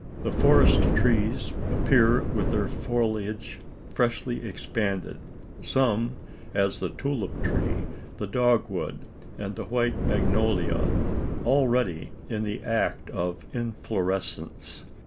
The forest trees appear with their foliage freshly expanded some; as the tulip tree, the dogwood, and the white magnolia, already in the act of inflorescence.